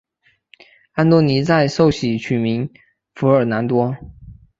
安多尼在受洗取名福尔南多。